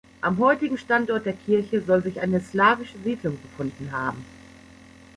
Am heutigen Standort der Kirche soll sich eine slawische Siedlung befunden haben.